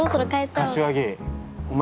柏木お前